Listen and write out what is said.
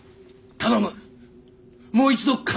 頼む！